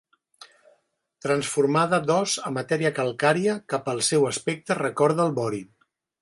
Transformada d'os a matèria calcària que pel seu aspecte recorda el vori.